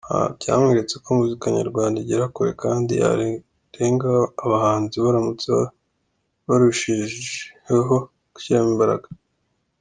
Byamweretse ko muzika Nyarwanda igera kure kandi yarengaho abahanzi baramutse barushijeho gushyiramo imbaraga.